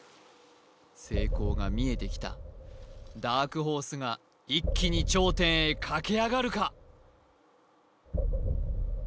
成功が見えてきたダークホースが一気に頂点へ駆け上がるか？